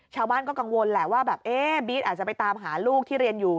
ชาวบ้านก็กังวลแหละว่าแบบเอ๊ะบี๊ดอาจจะไปตามหาลูกที่เรียนอยู่